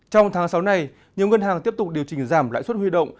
trong tháng sáu này nhiều ngân hàng tiếp tục điều chỉnh giảm lãi suất huy động